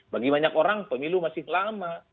bagi banyak orang pemilu masih lama